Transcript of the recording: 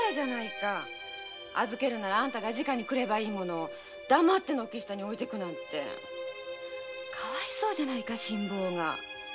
預けるならあんたが来ればいいものを黙って軒下に置いて行くなんてかわいそうじゃないか新坊が。